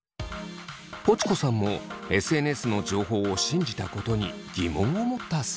ポチコさんもＳＮＳの情報を信じたことに疑問を持ったそう。